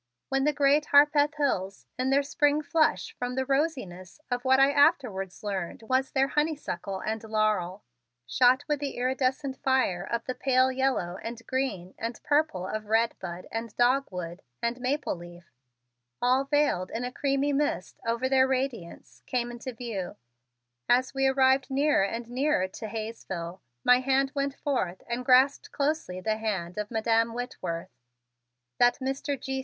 When the great Harpeth hills, in their spring flush from the rosiness of what I afterwards learned was their honeysuckle and laurel, shot with the iridescent fire of the pale yellow and green and purple of redbud and dogwood and maple leaf, all veiled in a creamy mist over their radiance, came into view, as we arrived nearer and nearer to Hayesville my hand went forth and grasped closely the hand of Madam Whitworth. That Mr. G.